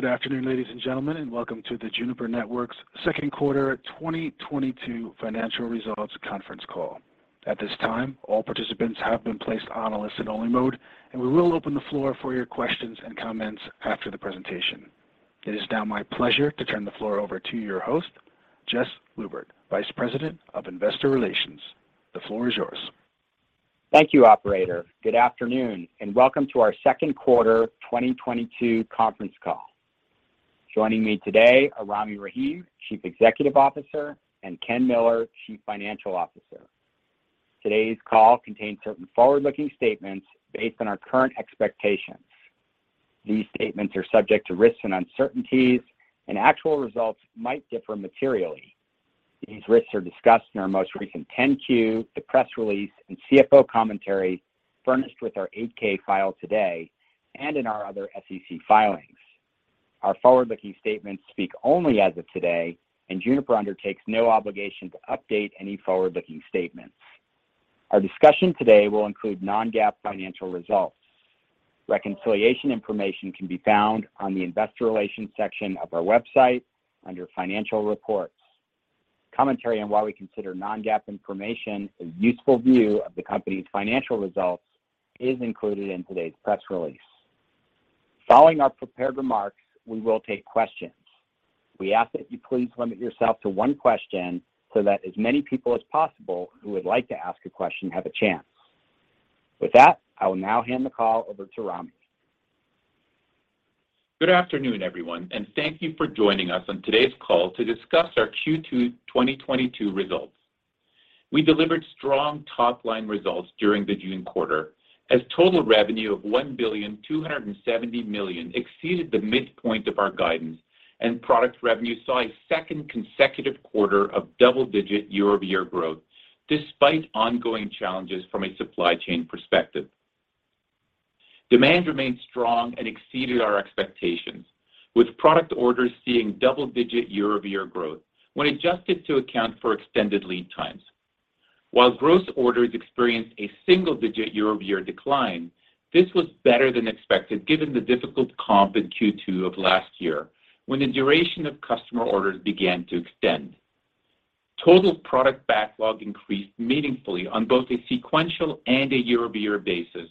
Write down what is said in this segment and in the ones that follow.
Good afternoon, ladies and gentlemen, and welcome to the Juniper Networks second quarter 2022 financial results conference call. At this time, all participants have been placed on a listen only mode, and we will open the floor for your questions and comments after the presentation. It is now my pleasure to turn the floor over to your host, Jess Lubert, Vice President of Investor Relations. The floor is yours. Thank you, operator. Good afternoon, and welcome to our second quarter 2022 conference call. Joining me today are Rami Rahim, Chief Executive Officer, and Ken Miller, Chief Financial Officer. Today's call contains certain forward-looking statements based on our current expectations. These statements are subject to risks and uncertainties, and actual results might differ materially. These risks are discussed in our most recent Form 10-Q, the press release and CFO commentary furnished with our Form 8-K filed today and in our other SEC filings. Our forward-looking statements speak only as of today, and Juniper undertakes no obligation to update any forward-looking statements. Our discussion today will include non-GAAP financial results. Reconciliation information can be found on the investor relations section of our website under financial reports. Commentary on why we consider non-GAAP information a useful view of the company's financial results is included in today's press release. Following our prepared remarks, we will take questions. We ask that you please limit yourself to one question so that as many people as possible who would like to ask a question have a chance. With that, I will now hand the call over to Rami. Good afternoon, everyone, and thank you for joining us on today's call to discuss our Q2 2022 results. We delivered strong top-line results during the June quarter as total revenue of $1.27 billion exceeded the midpoint of our guidance, and product revenue saw a second consecutive quarter of double-digit year-over-year growth despite ongoing challenges from a supply chain perspective. Demand remained strong and exceeded our expectations, with product orders seeing double-digit year-over-year growth when adjusted to account for extended lead times. While gross orders experienced a single-digit year-over-year decline, this was better than expected given the difficult comp in Q2 of last year, when the duration of customer orders began to extend. Total product backlog increased meaningfully on both a sequential and a year-over-year basis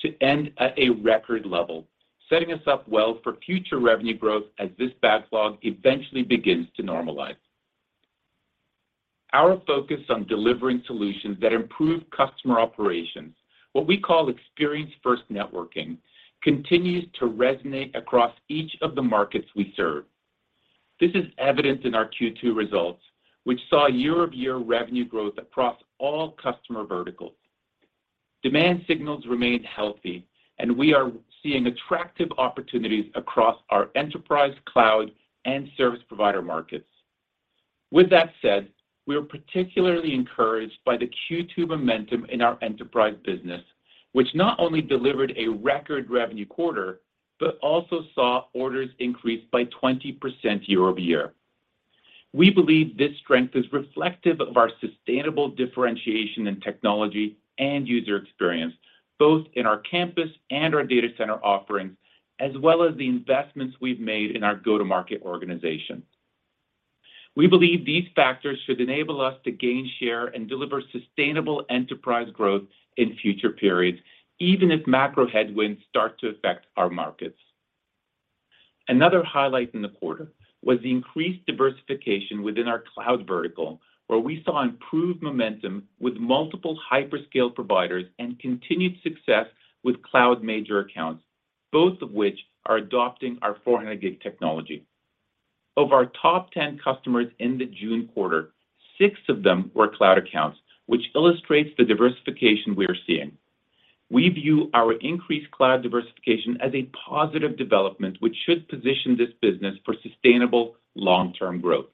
to end at a record level, setting us up well for future revenue growth as this backlog eventually begins to normalize. Our focus on delivering solutions that improve customer operations, what we call Experience-First Networking, continues to resonate across each of the markets we serve. This is evidenced in our Q2 results, which saw year-over-year revenue growth across all customer verticals. Demand signals remained healthy, and we are seeing attractive opportunities across our enterprise cloud and service provider markets. With that said, we are particularly encouraged by the Q2 momentum in our enterprise business, which not only delivered a record revenue quarter, but also saw orders increase by 20% year-over-year. We believe this strength is reflective of our sustainable differentiation in technology and user experience, both in our campus and our data center offerings, as well as the investments we've made in our go-to-market organization. We believe these factors should enable us to gain share and deliver sustainable enterprise growth in future periods, even as macro headwinds start to affect our markets. Another highlight in the quarter was the increased diversification within our cloud vertical, where we saw improved momentum with multiple hyperscale providers and continued success with cloud major accounts, both of which are adopting our 400 gig technology. Of our top 10 customers in the June quarter, six of them were cloud accounts, which illustrates the diversification we are seeing. We view our increased cloud diversification as a positive development which should position this business for sustainable long-term growth.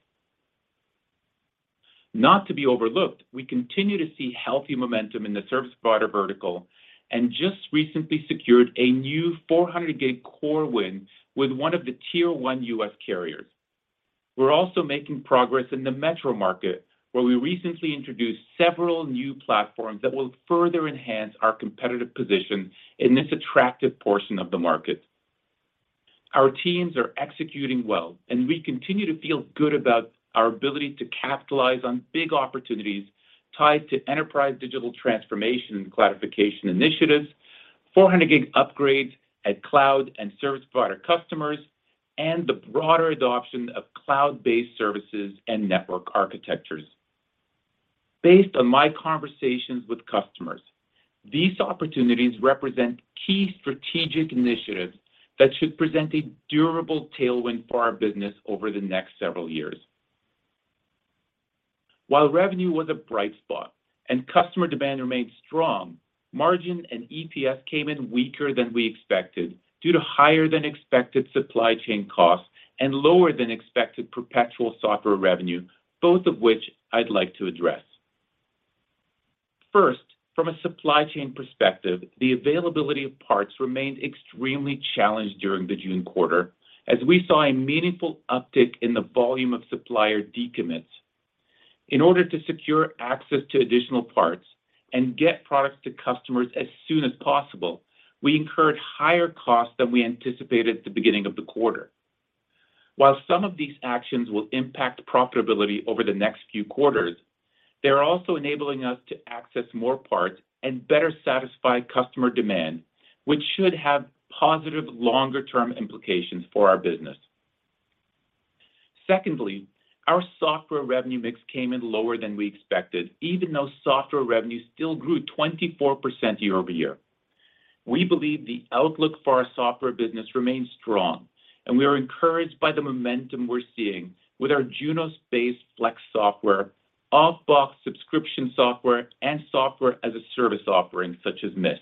Not to be overlooked, we continue to see healthy momentum in the service provider vertical and just recently secured a new 400 gig core win with one of the Tier 1 U.S. carriers. We're also making progress in the metro market, where we recently introduced several new platforms that will further enhance our competitive position in this attractive portion of the market. Our teams are executing well, and we continue to feel good about our ability to capitalize on big opportunities tied to enterprise digital transformation and cloudification initiatives, 400 gig upgrades at cloud and service provider customers, and the broader adoption of cloud-based services and network architectures. Based on my conversations with customers, these opportunities represent key strategic initiatives that should present a durable tailwind for our business over the next several years. While revenue was a bright spot and customer demand remained strong, margin and EPS came in weaker than we expected due to higher than expected supply chain costs and lower than expected perpetual software revenue, both of which I'd like to address. First, from a supply chain perspective, the availability of parts remained extremely challenged during the June quarter as we saw a meaningful uptick in the volume of supplier decommits. In order to secure access to additional parts and get products to customers as soon as possible, we incurred higher costs than we anticipated at the beginning of the quarter. While some of these actions will impact profitability over the next few quarters, they're also enabling us to access more parts and better satisfy customer demand, which should have positive longer-term implications for our business. Secondly, our software revenue mix came in lower than we expected, even though software revenue still grew 24% year-over-year. We believe the outlook for our software business remains strong, and we are encouraged by the momentum we're seeing with our Junos-based Flex software, off-box subscription software, and software-as-a-service offerings, such as Mist.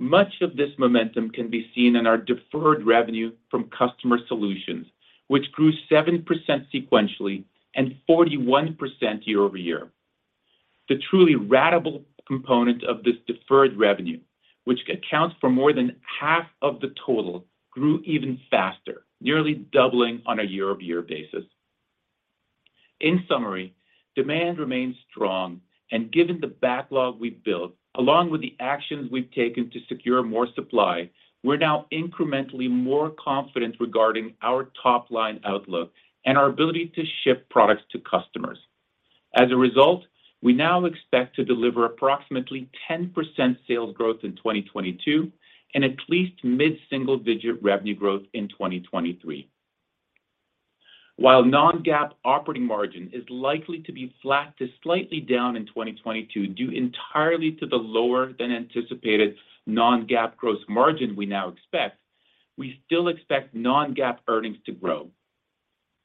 Much of this momentum can be seen in our deferred revenue from customer solutions, which grew 7% sequentially and 41% year-over-year. The truly ratable component of this deferred revenue, which accounts for more than half of the total, grew even faster, nearly doubling on a year-over-year basis. In summary, demand remains strong, and given the backlog we've built, along with the actions we've taken to secure more supply, we're now incrementally more confident regarding our top-line outlook and our ability to ship products to customers. As a result, we now expect to deliver approximately 10% sales growth in 2022 and at least mid-single-digit revenue growth in 2023. While non-GAAP operating margin is likely to be flat to slightly down in 2022 due entirely to the lower than anticipated non-GAAP gross margin we now expect, we still expect non-GAAP earnings to grow.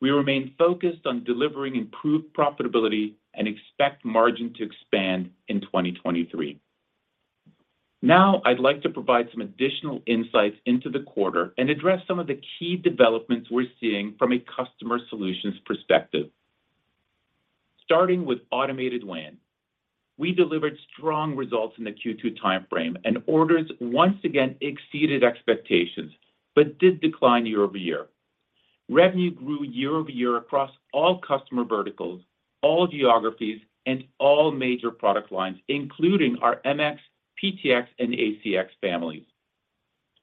We remain focused on delivering improved profitability and expect margin to expand in 2023. Now, I'd like to provide some additional insights into the quarter and address some of the key developments we're seeing from a customer solutions perspective. Starting with Automated WAN. We delivered strong results in the Q2 timeframe, and orders once again exceeded expectations but did decline year-over-year. Revenue grew year-over-year across all customer verticals, all geographies, and all major product lines, including our MX, PTX, and ACX families.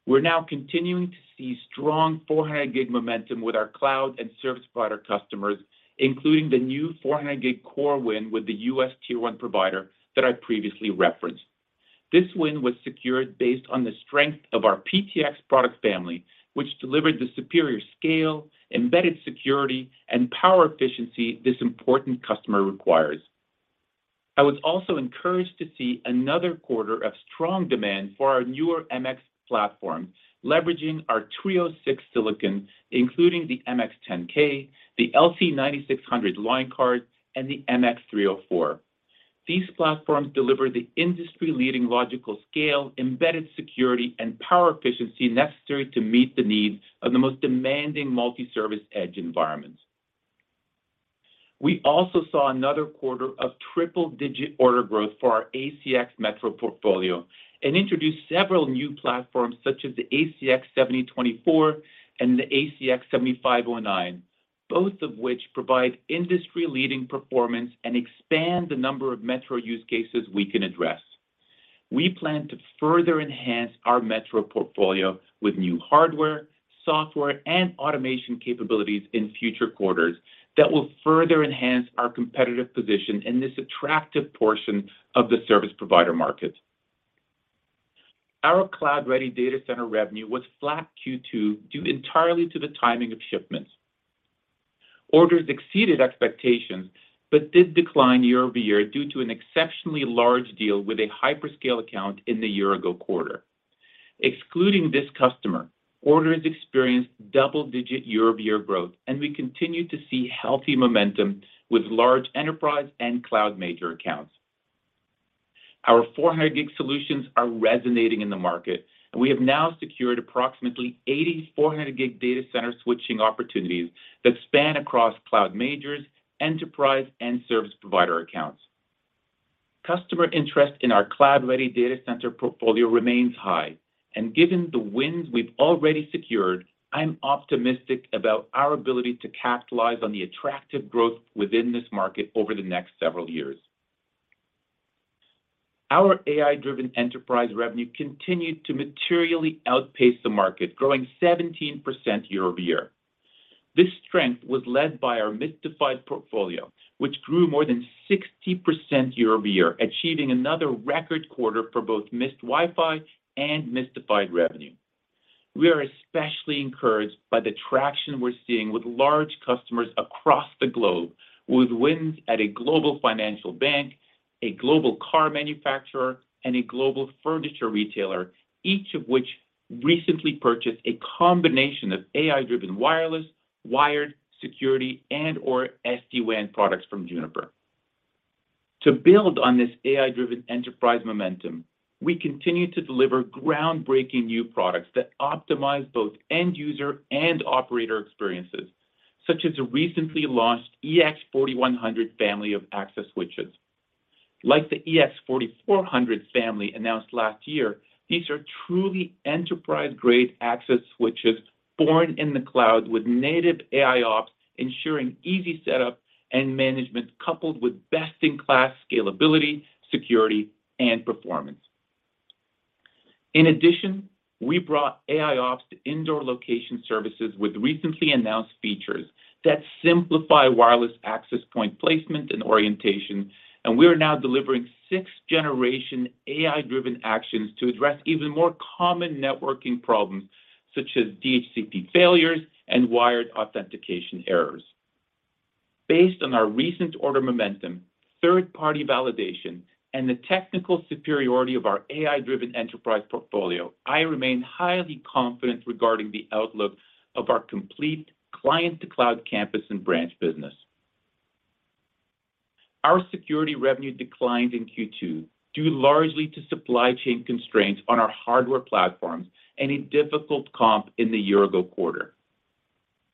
We're now continuing to see strong 400 gig momentum with our cloud and service provider customers, including the new 400 gig core win with the U.S. Tier 1 provider that I previously referenced. This win was secured based on the strength of our PTX product family, which delivered the superior scale, embedded security, and power efficiency this important customer requires. I was also encouraged to see another quarter of strong demand for our newer MX platform, leveraging our Trio 6 silicon, including the MX10K, the LC9600 line card, and the MX304. These platforms deliver the industry-leading logical scale, embedded security, and power efficiency necessary to meet the needs of the most demanding multi-service edge environments. We also saw another quarter of triple-digit order growth for our ACX metro portfolio and introduced several new platforms such as the ACX7024 and the ACX7509, both of which provide industry-leading performance and expand the number of metro use cases we can address. We plan to further enhance our metro portfolio with new hardware, software, and automation capabilities in future quarters that will further enhance our competitive position in this attractive portion of the service provider market. Our cloud-ready data center revenue was flat Q2 due entirely to the timing of shipments. Orders exceeded expectations but did decline year-over-year due to an exceptionally large deal with a hyperscale account in the year-ago quarter. Excluding this customer, orders experienced double-digit year-over-year growth, and we continued to see healthy momentum with large enterprise and cloud major accounts. Our 400 gig solutions are resonating in the market, and we have now secured approximately 84 400 gig data center switching opportunities that span across cloud majors, enterprise, and service provider accounts. Customer interest in our cloud-ready data center portfolio remains high, and given the wins we've already secured, I'm optimistic about our ability to capitalize on the attractive growth within this market over the next several years. Our AI-Driven Enterprise revenue continued to materially outpace the market, growing 17% year-over-year. This strength was led by our Mist AI portfolio, which grew more than 60% year-over-year, achieving another record quarter for both Mist Wi-Fi and Mist AI revenue. We are especially encouraged by the traction we're seeing with large customers across the globe with wins at a global financial bank, a global car manufacturer, and a global furniture retailer, each of which recently purchased a combination of AI-driven wireless, wired, security, and/or SD-WAN products from Juniper. To build on this AI-driven enterprise momentum, we continue to deliver groundbreaking new products that optimize both end user and operator experiences, such as the recently launched EX4100 family of access switches. Like the EX4400 family announced last year, these are truly enterprise-grade access switches born in the cloud with native AIOps ensuring easy setup and management, coupled with best-in-class scalability, security and performance. In addition, we brought AIOps to indoor location services with recently announced features that simplify wireless access point placement and orientation, and we are now delivering sixth-generation AI-driven actions to address even more common networking problems such as DHCP failures and wired authentication errors. Based on our recent order momentum, third-party validation, and the technical superiority of our AI-Driven Enterprise portfolio, I remain highly confident regarding the outlook of our complete client-to-cloud campus and branch business. Our security revenue declined in Q2, due largely to supply chain constraints on our hardware platforms and a difficult comp in the year-ago quarter.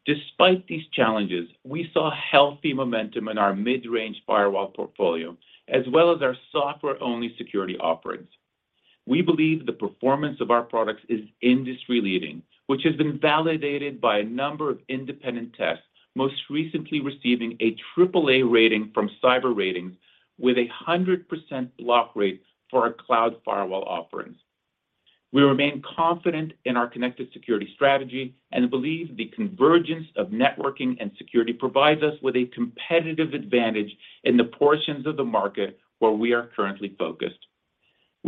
Despite these challenges, we saw healthy momentum in our mid-range firewall portfolio, as well as our software-only security offerings. We believe the performance of our products is industry-leading, which has been validated by a number of independent tests, most recently receiving an AAA rating from CyberRatings.org with a 100% block rate for our cloud firewall offerings. We remain confident in our Connected Security strategy and believe the convergence of networking and security provides us with a competitive advantage in the portions of the market where we are currently focused.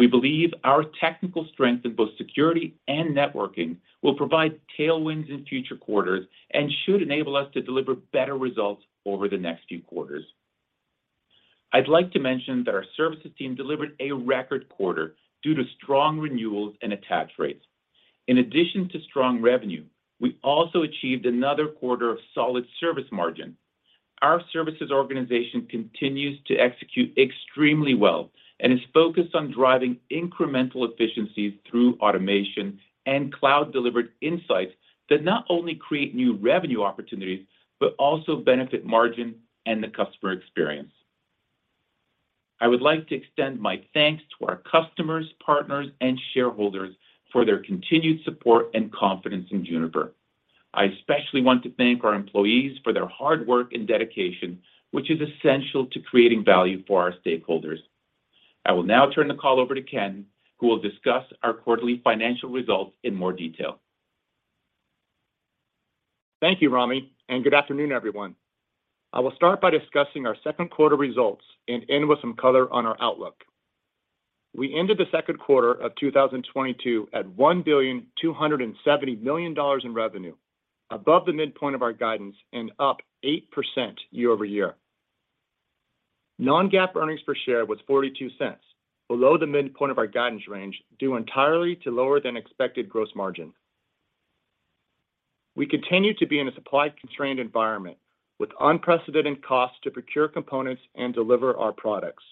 We believe our technical strength in both security and networking will provide tailwinds in future quarters and should enable us to deliver better results over the next few quarters. I'd like to mention that our services team delivered a record quarter due to strong renewals and attach rates. In addition to strong revenue, we also achieved another quarter of solid service margin. Our services organization continues to execute extremely well and is focused on driving incremental efficiencies through automation and cloud-delivered insights that not only create new revenue opportunities, but also benefit margin and the customer experience. I would like to extend my thanks to our customers, partners, and shareholders for their continued support and confidence in Juniper. I especially want to thank our employees for their hard work and dedication, which is essential to creating value for our stakeholders. I will now turn the call over to Ken, who will discuss our quarterly financial results in more detail. Thank you, Rami, and good afternoon, everyone. I will start by discussing our second quarter results and end with some color on our outlook. We ended the second quarter of 2022 at $1.27 billion in revenue, above the midpoint of our guidance and up 8% year-over-year. Non-GAAP earnings per share was $0.42, below the midpoint of our guidance range, due entirely to lower than expected gross margin. We continue to be in a supply constrained environment with unprecedented costs to procure components and deliver our products.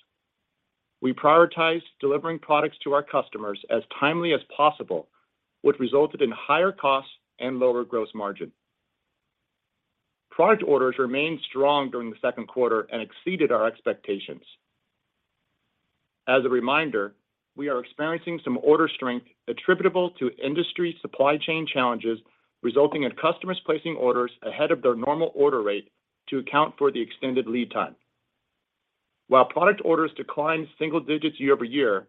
We prioritize delivering products to our customers as timely as possible, which resulted in higher costs and lower gross margin. Product orders remained strong during the second quarter and exceeded our expectations. As a reminder, we are experiencing some order strength attributable to industry supply chain challenges, resulting in customers placing orders ahead of their normal order rate to account for the extended lead time. While product orders declined single digits year-over-year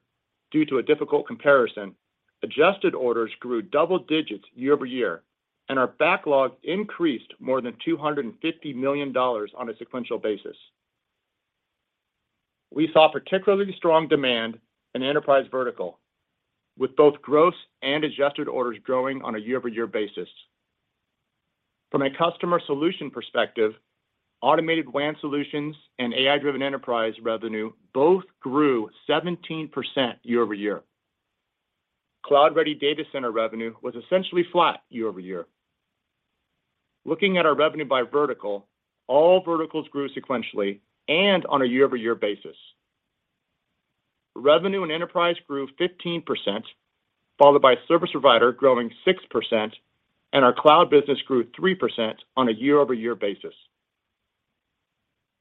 due to a difficult comparison, adjusted orders grew double digits year-over-year, and our backlog increased more than $250 million on a sequential basis. We saw particularly strong demand in enterprise vertical, with both gross and adjusted orders growing on a year-over-year basis. From a customer solution perspective, Automated WAN solutions and AI-Driven Enterprise revenue both grew 17% year-over-year. Cloud-Ready Data Center revenue was essentially flat year-over-year. Looking at our revenue by vertical, all verticals grew sequentially and on a year-over-year basis. Revenue and enterprise grew 15%, followed by service provider growing 6%, and our cloud business grew 3% on a year-over-year basis.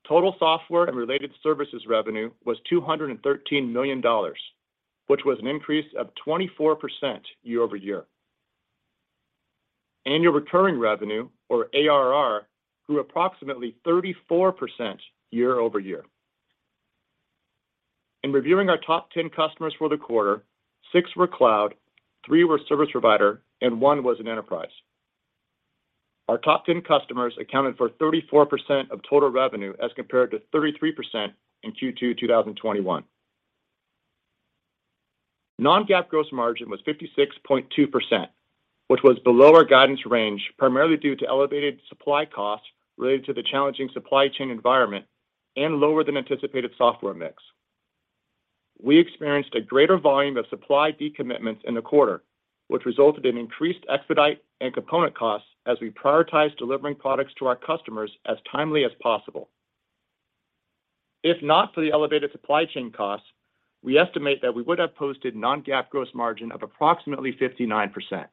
Total software and related services revenue was $213 million, which was an increase of 24% year over year. Annual recurring revenue, or ARR, grew approximately 34% year over year. In reviewing our top ten customers for the quarter, six were cloud, three were service provider, and one was an enterprise. Our top ten customers accounted for 34% of total revenue as compared to 33% in Q2 2021. Non-GAAP gross margin was 56.2%, which was below our guidance range, primarily due to elevated supply costs related to the challenging supply chain environment and lower than anticipated software mix. We experienced a greater volume of supply decommitments in the quarter, which resulted in increased expedite and component costs as we prioritize delivering products to our customers as timely as possible. If not for the elevated supply chain costs, we estimate that we would have posted non-GAAP gross margin of approximately 59%.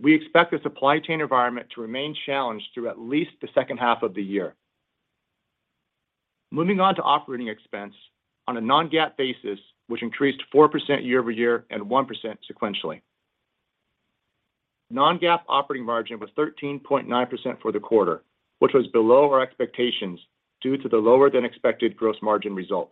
We expect the supply chain environment to remain challenged through at least the second half of the year. Moving on to operating expense on a non-GAAP basis, which increased 4% year-over-year and 1% sequentially. Non-GAAP operating margin was 13.9% for the quarter, which was below our expectations due to the lower than expected gross margin result.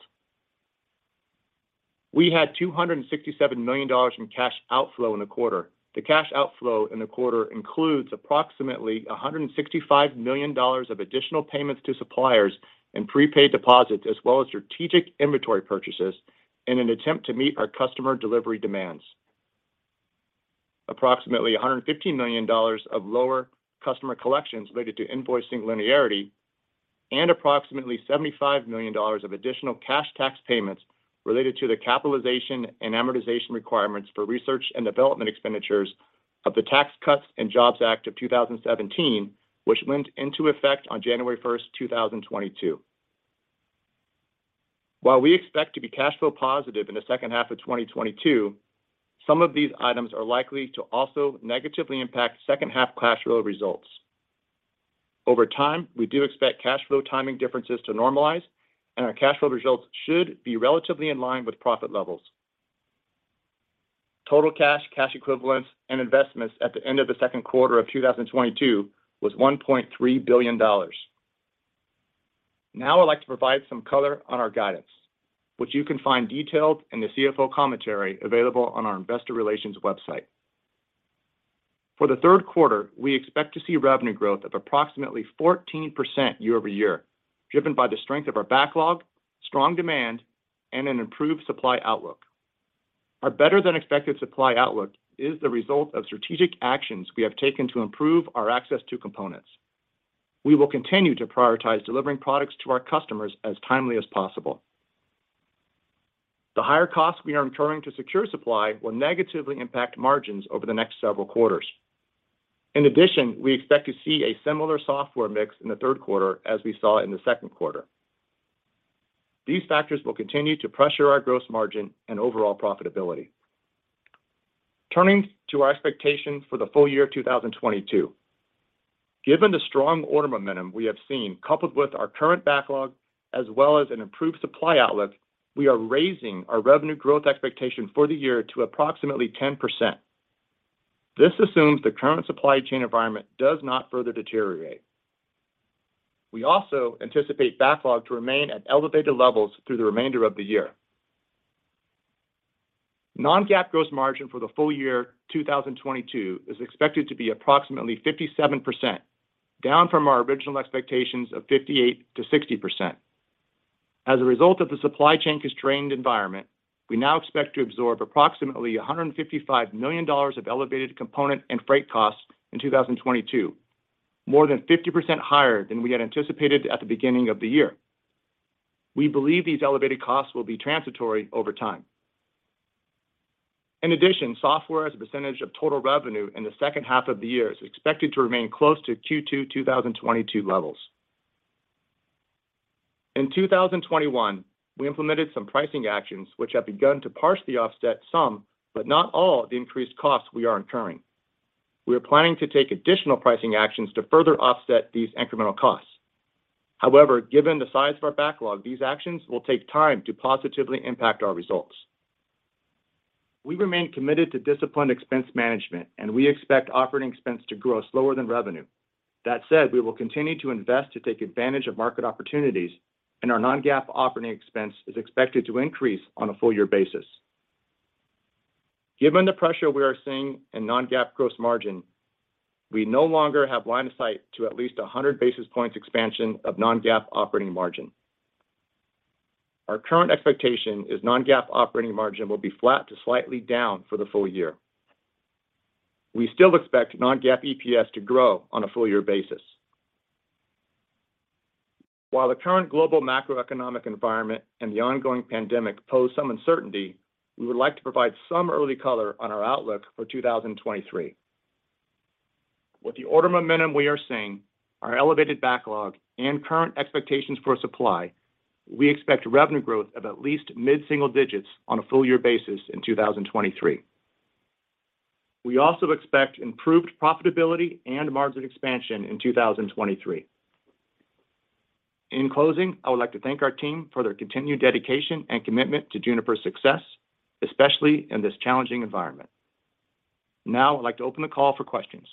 We had $267 million in cash outflow in the quarter. The cash outflow in the quarter includes approximately $165 million of additional payments to suppliers and prepaid deposits, as well as strategic inventory purchases in an attempt to meet our customer delivery demands. Approximately $115 million of lower customer collections related to invoicing linearity and approximately $75 million of additional cash tax payments related to the capitalization and amortization requirements for research and development expenditures of the Tax Cuts and Jobs Act of 2017, which went into effect on January 1st, 2022. While we expect to be cash flow positive in the second half of 2022, some of these items are likely to also negatively impact second half cash flow results. Over time, we do expect cash flow timing differences to normalize, and our cash flow results should be relatively in line with profit levels. Total cash equivalents, and investments at the end of the second quarter of 2022 was $1.3 billion. Now I'd like to provide some color on our guidance, which you can find detailed in the CFO commentary available on our investor relations website. For the third quarter, we expect to see revenue growth of approximately 14% year-over-year, driven by the strength of our backlog, strong demand, and an improved supply outlook. Our better than expected supply outlook is the result of strategic actions we have taken to improve our access to components. We will continue to prioritize delivering products to our customers as timely as possible. The higher costs we are incurring to secure supply will negatively impact margins over the next several quarters. In addition, we expect to see a similar software mix in the third quarter as we saw in the second quarter. These factors will continue to pressure our gross margin and overall profitability. Turning to our expectations for the full year of 2022. Given the strong order momentum we have seen, coupled with our current backlog as well as an improved supply outlook, we are raising our revenue growth expectation for the year to approximately 10%. This assumes the current supply chain environment does not further deteriorate. We also anticipate backlog to remain at elevated levels through the remainder of the year. Non-GAAP gross margin for the full year 2022 is expected to be approximately 57%, down from our original expectations of 58%-60%. As a result of the supply chain constrained environment, we now expect to absorb approximately $155 million of elevated component and freight costs in 2022, more than 50% higher than we had anticipated at the beginning of the year. We believe these elevated costs will be transitory over time. In addition, software as a percentage of total revenue in the second half of the year is expected to remain close to Q2 2022 levels. In 2021, we implemented some pricing actions which have begun to partially offset some, but not all, the increased costs we are incurring. We are planning to take additional pricing actions to further offset these incremental costs. However, given the size of our backlog, these actions will take time to positively impact our results. We remain committed to disciplined expense management, and we expect operating expense to grow slower than revenue. That said, we will continue to invest to take advantage of market opportunities, and our non-GAAP operating expense is expected to increase on a full year basis. Given the pressure we are seeing in non-GAAP gross margin, we no longer have line of sight to at least 100 basis points expansion of non-GAAP operating margin. Our current expectation is non-GAAP operating margin will be flat to slightly down for the full year. We still expect non-GAAP EPS to grow on a full year basis. While the current global macroeconomic environment and the ongoing pandemic pose some uncertainty, we would like to provide some early color on our outlook for 2023. With the order momentum we are seeing, our elevated backlog, and current expectations for supply, we expect revenue growth of at least mid-single digits on a full year basis in 2023. We also expect improved profitability and margin expansion in 2023. In closing, I would like to thank our team for their continued dedication and commitment to Juniper's success, especially in this challenging environment. Now I'd like to open the call for questions.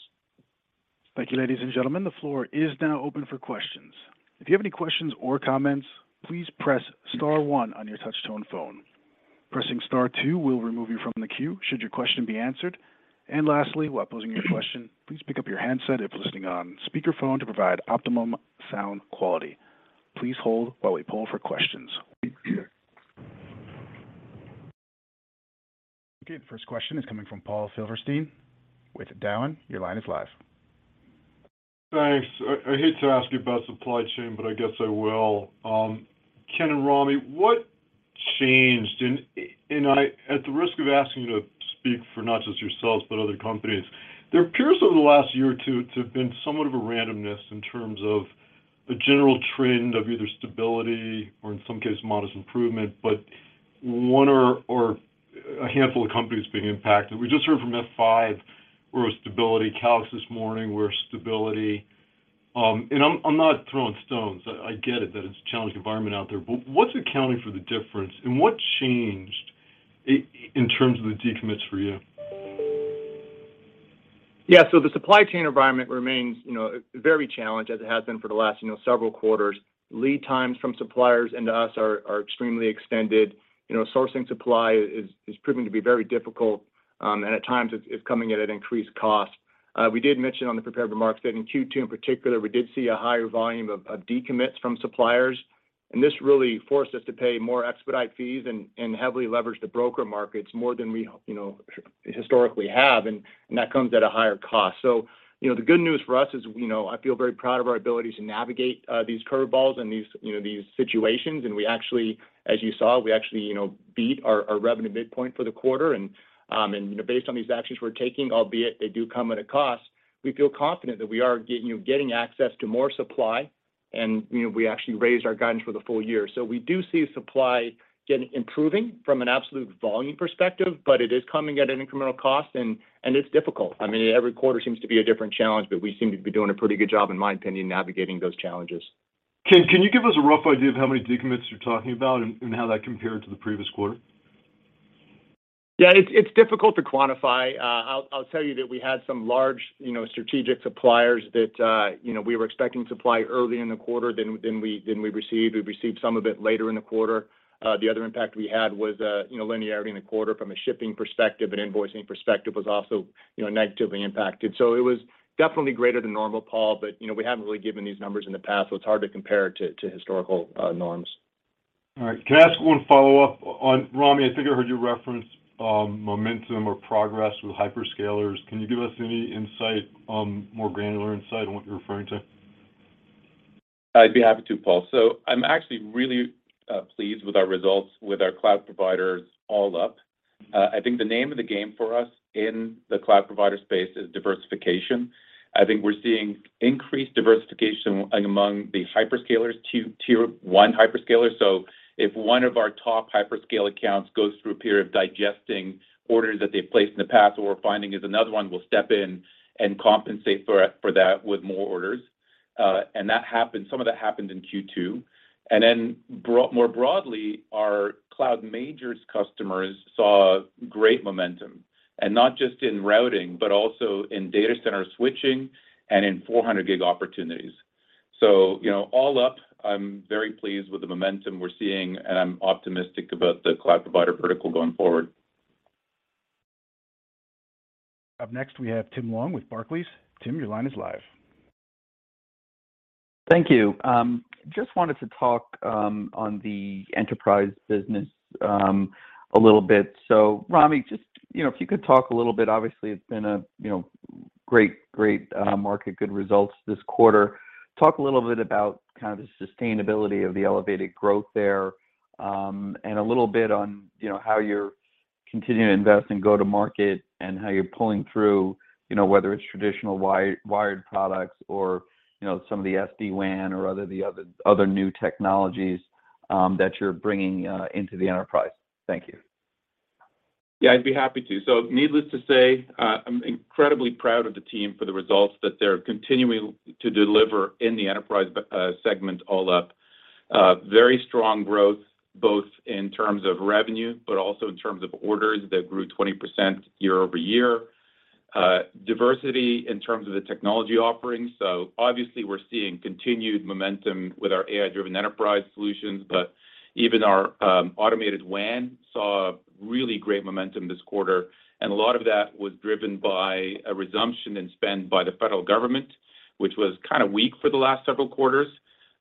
Thank you, ladies and gentlemen. The floor is now open for questions. If you have any questions or comments, please press star one on your touch-tone phone. Pressing star two will remove you from the queue should your question be answered. Lastly, while posing your question, please pick up your handset if listening on speakerphone to provide optimum sound quality. Please hold while we poll for questions. Okay, the first question is coming from Paul Silverstein with Cowen. Your line is live. Thanks. I hate to ask you about supply chain, but I guess I will. Ken and Rami, what changed? At the risk of asking you to speak for not just yourselves, but other companies, there appears over the last year or two to have been somewhat of a randomness in terms of The general trend of either stability or in some cases modest improvement, but one or a handful of companies being impacted. We just heard from F5 where stability, Calix this morning, where stability. I'm not throwing stones. I get it that it's a challenging environment out there, but what's accounting for the difference and what changed in terms of the decommits for you? Yeah. The supply chain environment remains, you know, very challenged as it has been for the last, you know, several quarters. Lead times from suppliers into us are extremely extended. You know, sourcing supply is proving to be very difficult, and at times it's coming at an increased cost. We did mention on the prepared remarks that in Q2 in particular, we did see a higher volume of decommits from suppliers, and this really forced us to pay more expedite fees and heavily leverage the broker markets more than we, you know, historically have, and that comes at a higher cost. The good news for us is, you know, I feel very proud of our ability to navigate these curve balls and these, you know, these situations. We actually, as you saw, you know, beat our revenue midpoint for the quarter. Based on these actions we're taking, albeit they do come at a cost, we feel confident that we are getting access to more supply and, you know, we actually raised our guidance for the full year. We do see supply improving from an absolute volume perspective, but it is coming at an incremental cost and it's difficult. I mean, every quarter seems to be a different challenge, but we seem to be doing a pretty good job, in my opinion, navigating those challenges. Can you give us a rough idea of how many decommits you're talking about and how that compared to the previous quarter? It's difficult to quantify. I'll tell you that we had some large, you know, strategic suppliers that, you know, we were expecting supply early in the quarter than we received. We received some of it later in the quarter. The other impact we had was, you know, linearity in the quarter from a shipping perspective, an invoicing perspective was also, you know, negatively impacted. It was definitely greater than normal, Paul, but, you know, we haven't really given these numbers in the past, so it's hard to compare it to historical norms. All right. Can I ask one follow-up on, Rami, I think I heard you reference, momentum or progress with hyperscalers. Can you give us any insight, more granular insight on what you're referring to? I'd be happy to, Paul. I'm actually really pleased with our results with our cloud providers all up. I think the name of the game for us in the cloud provider space is diversification. I think we're seeing increased diversification among the hyperscalers, two tier 1 hyperscalers. If one of our top hyperscaler accounts goes through a period of digesting orders that they've placed in the past, what we're finding is another one will step in and compensate for that with more orders. Some of that happened in Q2. More broadly, our cloud major customers saw great momentum, and not just in routing, but also in data center switching and in 400 gig opportunities. You know, all up, I'm very pleased with the momentum we're seeing, and I'm optimistic about the cloud provider vertical going forward. Up next, we have Tim Long with Barclays. Tim, your line is live. Thank you. Just wanted to talk on the enterprise business a little bit. Rami, just, you know, if you could talk a little bit, obviously it's been a, you know, great market, good results this quarter. Talk a little bit about kind of the sustainability of the elevated growth there, and a little bit on, you know, how you're continuing to invest and go to market and how you're pulling through, you know, whether it's traditional wired products or, you know, some of the SD-WAN or other new technologies that you're bringing into the enterprise. Thank you. Yeah, I'd be happy to. Needless to say, I'm incredibly proud of the team for the results that they're continuing to deliver in the enterprise segment all up. Very strong growth, both in terms of revenue, but also in terms of orders that grew 20% year-over-year. Diversity in terms of the technology offerings. Obviously we're seeing continued momentum with our AI-Driven Enterprise solutions, but even our Automated WAN saw really great momentum this quarter, and a lot of that was driven by a resumption in spend by the federal government, which was kinda weak for the last several quarters.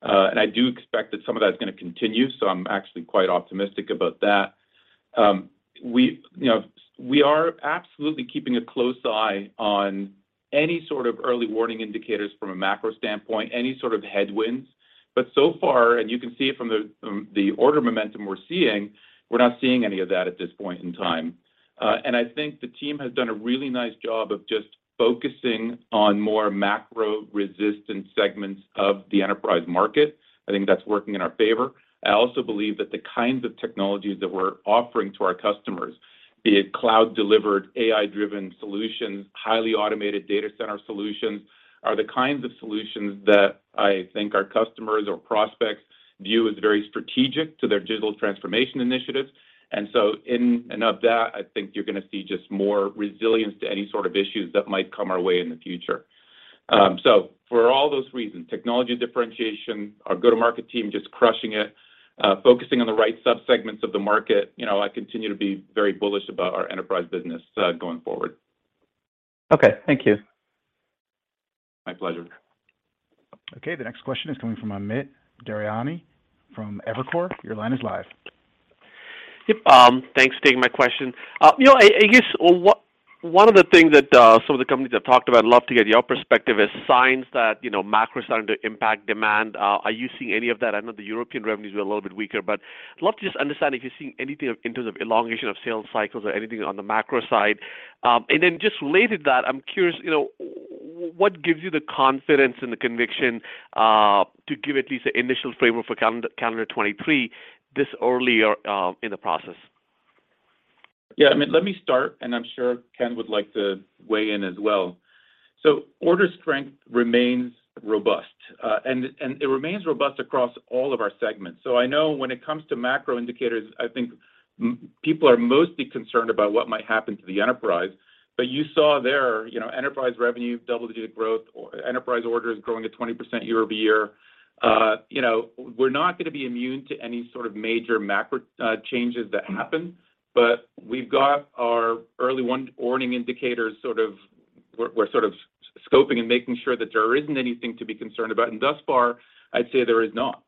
I do expect that some of that is gonna continue, so I'm actually quite optimistic about that. You know, we are absolutely keeping a close eye on any sort of early warning indicators from a macro standpoint, any sort of headwinds. So far, and you can see it from the order momentum we're seeing, we're not seeing any of that at this point in time. I think the team has done a really nice job of just focusing on more macro-resistant segments of the enterprise market. I think that's working in our favor. I also believe that the kinds of technologies that we're offering to our customers, be it cloud-delivered, AI-driven solutions, highly automated data center solutions, are the kinds of solutions that I think our customers or prospects view as very strategic to their digital transformation initiatives. In light of that, I think you're gonna see just more resilience to any sort of issues that might come our way in the future. For all those reasons, technology differentiation, our go-to-market team just crushing it, focusing on the right subsegments of the market. You know, I continue to be very bullish about our enterprise business going forward. Okay. Thank you. My pleasure. Okay. The next question is coming from Amit Daryanani from Evercore. Your line is live. Yep. Thanks for taking my question. You know, I guess one of the things that some of the companies have talked about, I'd love to get your perspective, is signs that, you know, macro starting to impact demand. Are you seeing any of that? I know the European revenues were a little bit weaker, but I'd love to just understand if you're seeing anything in terms of elongation of sales cycles or anything on the macro side. Then just related to that, I'm curious, you know. What gives you the confidence and the conviction to give at least the initial framework for calendar 2023 this early in the process? Yeah, I mean, let me start, and I'm sure Ken would like to weigh in as well. Order strength remains robust, and it remains robust across all of our segments. I know when it comes to macro indicators, I think most people are mostly concerned about what might happen to the enterprise. You saw there, you know, enterprise revenue double-digit growth or enterprise orders growing at 20% year-over-year. You know, we're not gonna be immune to any sort of major macro changes that happen, but we've got our early warning indicators sort of. We're sort of scoping and making sure that there isn't anything to be concerned about, and thus far, I'd say there is not.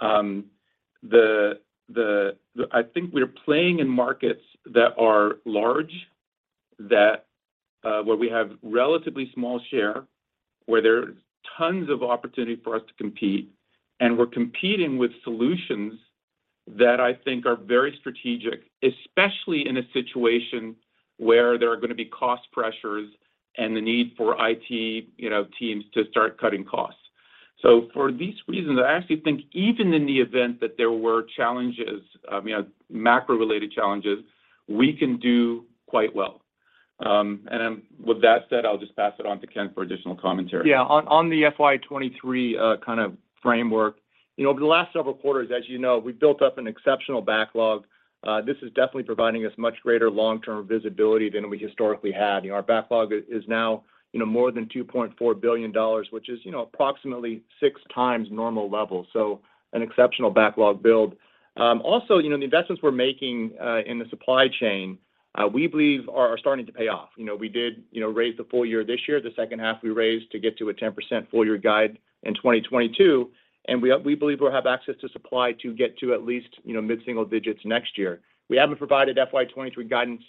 I think we're playing in markets that are large, that where we have relatively small share, where there's tons of opportunity for us to compete, and we're competing with solutions that I think are very strategic, especially in a situation where there are gonna be cost pressures and the need for IT, you know, teams to start cutting costs. For these reasons, I actually think even in the event that there were challenges, you know, macro-related challenges, we can do quite well. With that said, I'll just pass it on to Ken for additional commentary. Yeah. On the FY 2023 kind of framework, you know, over the last several quarters, as you know, we've built up an exceptional backlog. This is definitely providing us much greater long-term visibility than we historically had. You know, our backlog is now, you know, more than $2.4 billion, which is, you know, approximately six times normal levels, so an exceptional backlog build. Also, you know, the investments we're making in the supply chain, we believe are starting to pay off. You know, we did, you know, raise the full year this year. The second half we raised to get to a 10% full year guide in 2022, and we believe we'll have access to supply to get to at least, you know, mid-single digits next year. We haven't provided FY 2023 guidance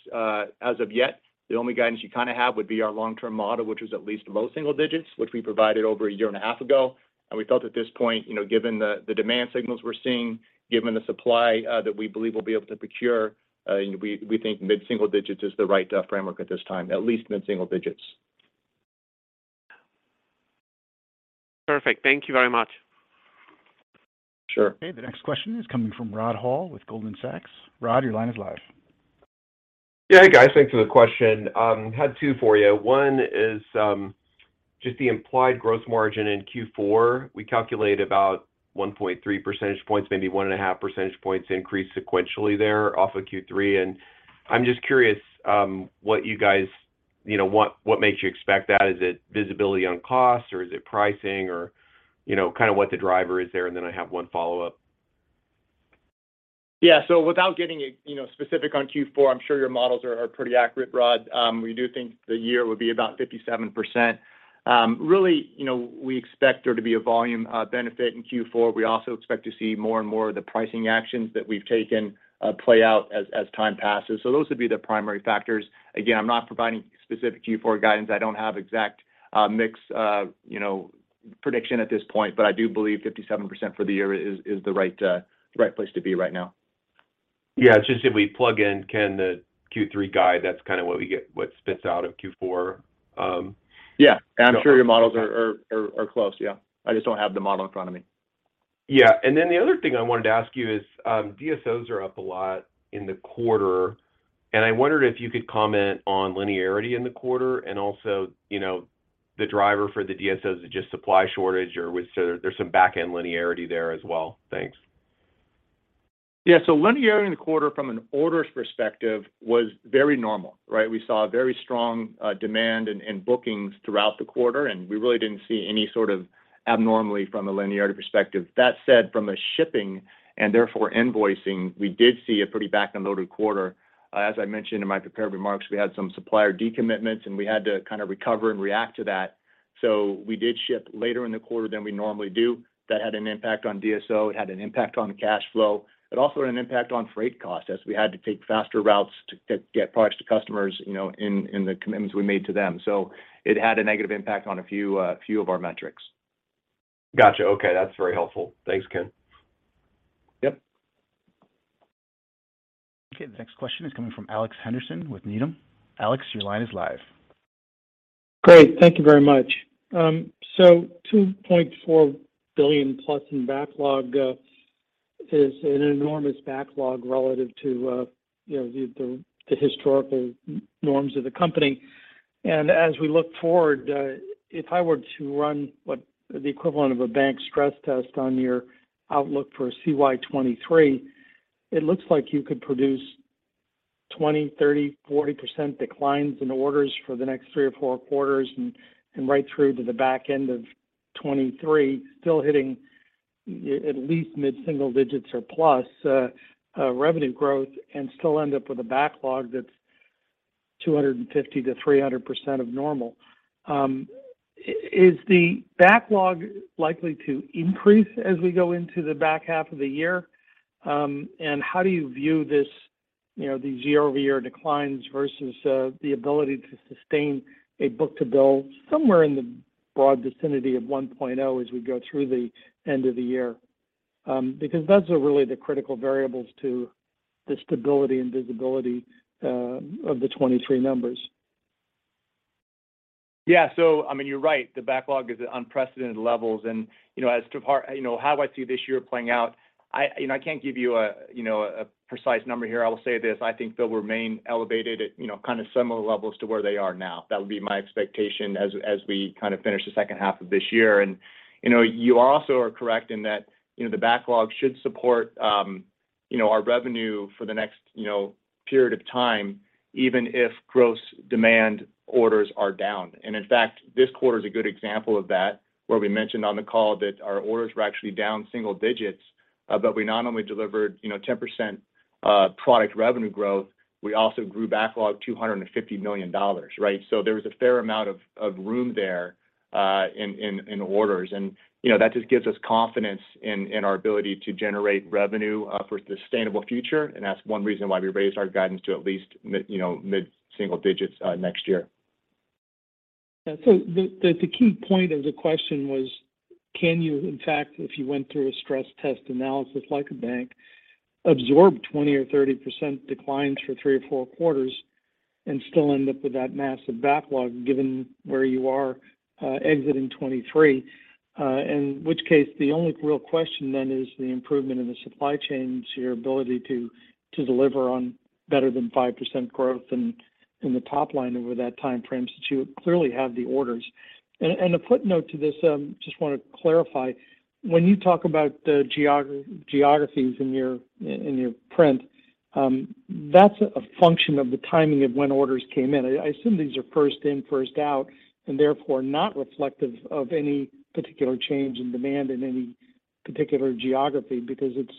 as of yet. The only guidance you kinda have would be our long-term model, which is at least low single digits, which we provided over a year and a half ago. We felt at this point, you know, given the demand signals we're seeing, given the supply that we believe we'll be able to procure, you know, we think mid-single digits is the right framework at this time, at least mid-single digits. Perfect. Thank you very much. Sure. Okay. The next question is coming from Rod Hall with Goldman Sachs. Rod, your line is live. Yeah. Hey, guys. Thanks for the question. I had two for you. One is just the implied gross margin in Q4. We calculate about 1.3 percentage points, maybe 1.5 percentage points increase sequentially there off of Q3. I'm just curious, what you guys, you know, what makes you expect that? Is it visibility on cost, or is it pricing, or, you know, kind of what the driver is there? I have one follow-up. Yeah. Without getting, you know, specific on Q4, I'm sure your models are pretty accurate, Rod. We do think the year would be about 57%. Really, you know, we expect there to be a volume benefit in Q4. We also expect to see more and more of the pricing actions that we've taken play out as time passes. Those would be the primary factors. Again, I'm not providing specific Q4 guidance. I don't have exact mix, you know, prediction at this point, but I do believe 57% for the year is the right place to be right now. Yeah. It's just if we plug in, Ken, the Q3 guide, that's kinda what we get, what spits out of Q4. Yeah. I'm sure your models are close. Yeah. I just don't have the model in front of me. The other thing I wanted to ask you is, DSOs are up a lot in the quarter, and I wondered if you could comment on linearity in the quarter and also, you know, the driver for the DSOs is just supply shortage or so there's some back-end linearity there as well? Thanks. Yeah. Linearity in the quarter from an orders perspective was very normal, right? We saw a very strong demand in bookings throughout the quarter, and we really didn't see any sort of abnormality from a linearity perspective. That said, from a shipping, and therefore invoicing, we did see a pretty back-end loaded quarter. As I mentioned in my prepared remarks, we had some supplier decommitments, and we had to kinda recover and react to that. We did ship later in the quarter than we normally do. That had an impact on DSO. It had an impact on cash flow. It also had an impact on freight cost, as we had to take faster routes to get products to customers, you know, in the commitments we made to them. It had a negative impact on a few of our metrics. Gotcha. Okay. That's very helpful. Thanks, Ken. Yep. Okay. The next question is coming from Alex Henderson with Needham. Alex, your line is live. Great. Thank you very much. $2.4 billion-plus in backlog is an enormous backlog relative to, you know, the historical norms of the company. As we look forward, if I were to run what the equivalent of a bank stress test on your outlook for CY 2023, it looks like you could produce 20%, 30%, 40% declines in orders for the next three or four quarters and right through to the back end of 2023, still hitting at least mid-single digits or plus revenue growth and still end up with a backlog that's 250%-300% of normal. Is the backlog likely to increase as we go into the back half of the year? How do you view this, you know, these year-over-year declines versus the ability to sustain a book-to-bill somewhere in the broad vicinity of 1.0 as we go through the end of the year? Because those are really the critical variables to the stability and visibility of the 2023 numbers. Yeah. I mean, you're right. The backlog is at unprecedented levels. You know, how I see this year playing out, I, you know, I can't give you a, you know, a precise number here. I will say this, I think they'll remain elevated at, you know, kind of similar levels to where they are now. That would be my expectation as we kind of finish the second half of this year. You know, you also are correct in that, you know, the backlog should support, you know, our revenue for the next, you know, period of time, even if gross demand orders are down. In fact, this quarter is a good example of that, where we mentioned on the call that our orders were actually down single digits, but we not only delivered, you know, 10% product revenue growth, we also grew backlog $250 million, right? There was a fair amount of room there in orders. You know, that just gives us confidence in our ability to generate revenue for sustainable future. That's one reason why we raised our guidance to at least mid, you know, mid-single digits next year. The key point of the question was, can you, in fact, if you went through a stress test analysis like a bank, absorb 20 or 30% declines for three or four quarters and still end up with that massive backlog given where you are, exiting 2023? In which case, the only real question then is the improvement in the supply chains, your ability to deliver on better than 5% growth in the top line over that timeframe, since you clearly have the orders. A footnote to this, just want to clarify. When you talk about the geographies in your print, that's a function of the timing of when orders came in. I assume these are first in, first out, and therefore not reflective of any particular change in demand in any particular geography because it's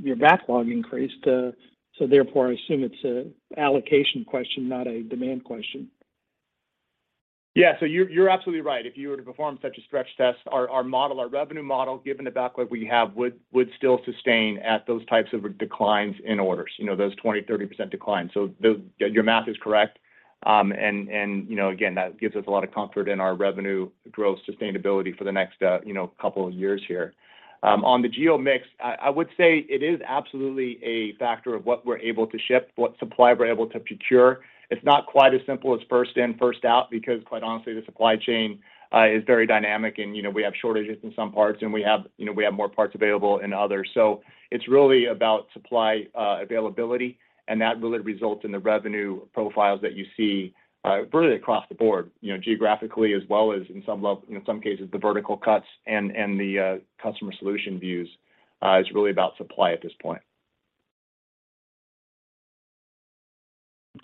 your backlog increased, so therefore I assume it's an allocation question, not a demand question. Yeah. You're absolutely right. If you were to perform such a stress test, our model, our revenue model, given the backlog we have, would still sustain at those types of declines in orders, those 20%-30% declines. Your math is correct. Again, that gives us a lot of comfort in our revenue growth sustainability for the next couple of years here. On the geo mix, I would say it is absolutely a factor of what we're able to ship, what supply we're able to procure. It's not quite as simple as first in, first out, because quite honestly, the supply chain is very dynamic and we have shortages in some parts, and we have more parts available in others. It's really about supply, availability, and that really results in the revenue profiles that you see, really across the board, you know, geographically as well as in some cases, the vertical cuts and the customer solution views is really about supply at this point.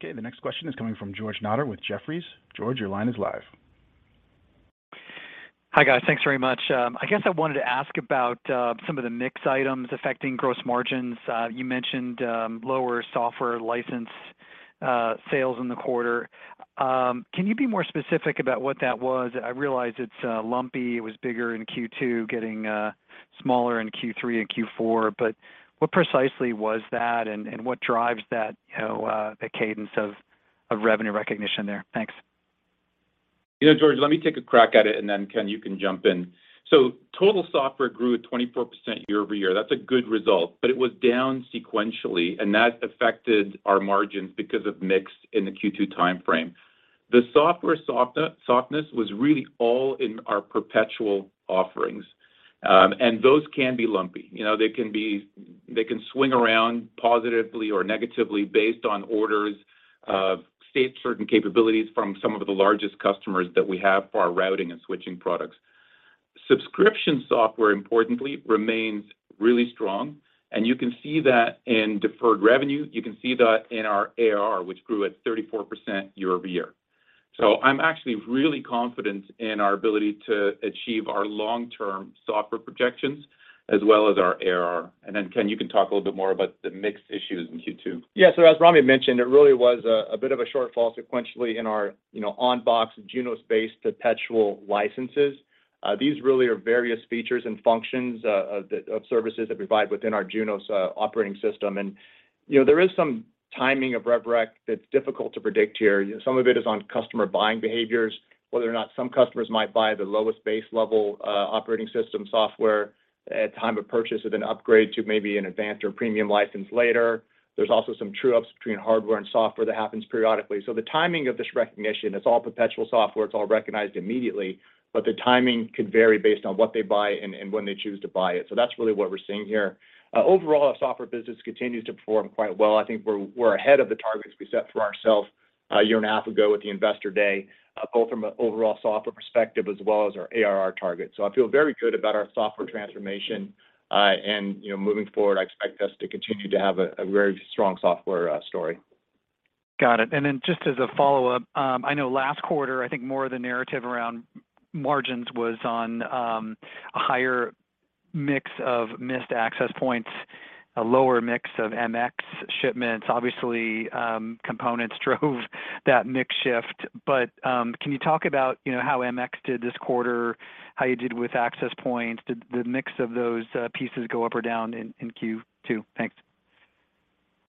Okay. The next question is coming from George Notter with Jefferies. George, your line is live. Hi, guys. Thanks very much. I guess I wanted to ask about some of the mix items affecting gross margins. You mentioned lower software license sales in the quarter. Can you be more specific about what that was? I realize it's lumpy. It was bigger in Q2, getting smaller in Q3 and Q4, but what precisely was that and what drives that, you know, the cadence of revenue recognition there? Thanks. You know, George, let me take a crack at it, and then, Ken, you can jump in. Total software grew at 24% year-over-year. That's a good result, but it was down sequentially, and that affected our margins because of mix in the Q2 timeframe. The software softness was really all in our perpetual offerings, and those can be lumpy. You know, they can swing around positively or negatively based on orders for, say, certain capabilities from some of the largest customers that we have for our routing and switching products. Subscription software, importantly, remains really strong, and you can see that in deferred revenue. You can see that in our ARR, which grew at 34% year-over-year. I'm actually really confident in our ability to achieve our long-term software projections as well as our ARR. Ken, you can talk a little bit more about the mix issues in Q2. Yeah. As Rami mentioned, it really was a bit of a shortfall sequentially in our, you know, on box Junos-based perpetual licenses. These really are various features and functions of services that provide within our Junos operating system. You know, there is some timing of revenue recognition that's difficult to predict here. Some of it is on customer buying behaviors, whether or not some customers might buy the lowest base level operating system software at time of purchase with an upgrade to maybe an advanced or premium license later. There's also some true-ups between hardware and software that happens periodically. The timing of this recognition, it's all perpetual software. It's all recognized immediately, but the timing could vary based on what they buy and when they choose to buy it. That's really what we're seeing here. Overall, our software business continues to perform quite well. I think we're ahead of the targets we set for ourself a year and a half ago with the investor day, both from an overall software perspective as well as our ARR target. I feel very good about our software transformation. You know, moving forward, I expect us to continue to have a very strong software story. Got it. Just as a follow-up, I know last quarter, I think more of the narrative around margins was on a higher mix of Mist access points, a lower mix of MX shipments. Obviously, components drove that mix shift. Can you talk about, you know, how MX did this quarter, how you did with access points? Did the mix of those pieces go up or down in Q2? Thanks.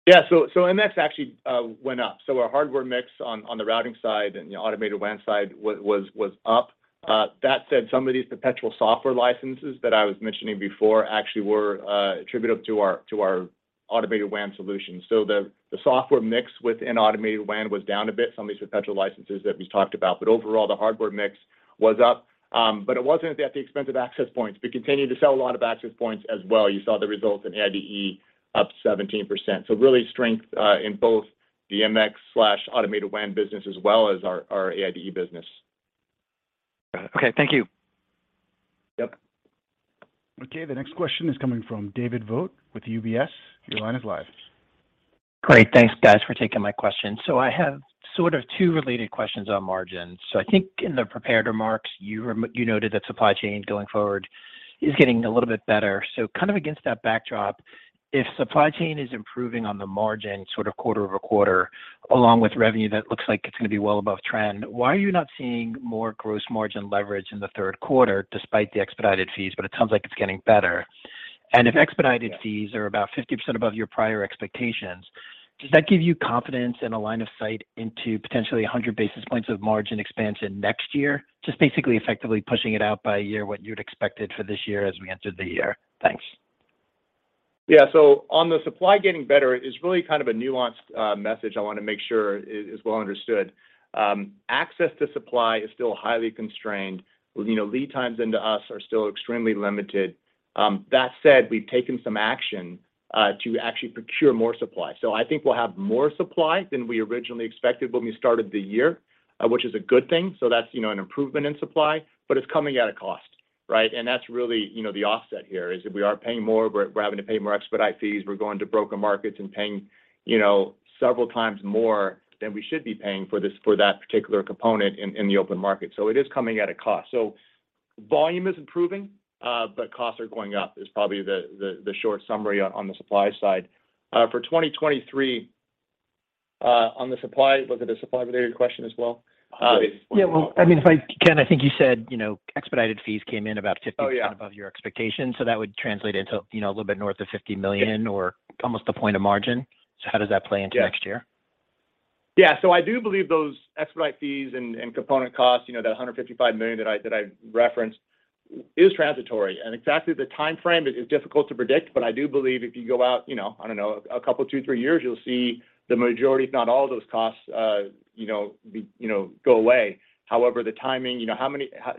Yeah. MX actually went up. Our hardware mix on the routing side and the automated WAN side was up. That said, some of these perpetual software licenses that I was mentioning before actually were attributable to our automated WAN solution. The software mix within automated WAN was down a bit, some of these perpetual licenses that we talked about. Overall, the hardware mix was up. It wasn't at the expense of access points. We continue to sell a lot of access points as well. You saw the results in AIDE up 17%. Really strength in both the MX/automated WAN business as well as our AIDE business. Got it. Okay. Thank you. Yep. Okay. The next question is coming from David Vogt with UBS. Your line is live. Great. Thanks guys for taking my question. I have sort of two related questions on margins. I think in the prepared remarks, you noted that supply chain going forward is getting a little bit better. Kind of against that backdrop, if supply chain is improving on the margin sort of quarter-over-quarter, along with revenue that looks like it's gonna be well above trend, why are you not seeing more gross margin leverage in the third quarter despite the expedited fees, but it sounds like it's getting better? If expedited fees are about 50% above your prior expectations, does that give you confidence and a line of sight into potentially 100 basis points of margin expansion next year? Just basically effectively pushing it out by a year what you'd expected for this year as we entered the year. Thanks. Yeah. On the supply getting better is really kind of a nuanced message I wanna make sure is well understood. Access to supply is still highly constrained. You know, lead times into us are still extremely limited. That said, we've taken some action to actually procure more supply. I think we'll have more supply than we originally expected when we started the year, which is a good thing. That's, you know, an improvement in supply, but it's coming at a cost, right? That's really, you know, the offset here, is we are paying more. We're having to pay more expedite fees. We're going to broker markets and paying, you know, several times more than we should be paying for that particular component in the open market. It is coming at a cost. Volume is improving, but costs are going up, is probably the short summary on the supply side. For 2023, on the supply—was it a supply related question as well? Yeah. Well, I mean, Ken, I think you said, you know, expedited fees came in about 50% above your expectations. Oh, yeah. That would translate into, you know, a little bit north of $50 million or almost 1% of margin. How does that play into next year? I do believe those expedite fees and component costs, you know, that $155 million that I referenced is transitory. Exactly the timeframe is difficult to predict, but I do believe if you go out, you know, I don't know, a couple, two, three years, you'll see the majority if not all of those costs, you know, go away. However, the timing, you know,